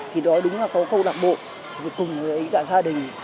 thì đó đúng là có câu lạc bộ thì cùng với cả gia đình